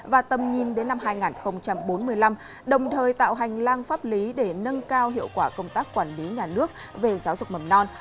và tầm nhìn đến năm hai nghìn bốn mươi năm đồng thời tạo hành lang pháp lý để nâng cao hiệu quả công tác quản lý nhà nước về giáo dục mầm non